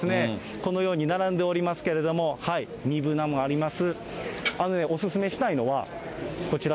このように並んでおりますけれども、みぶ菜もあります。